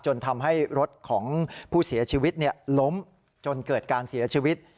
จนทำให้รถของผู้เสียชีวิตล้มจนเกิดการเสียชีวิต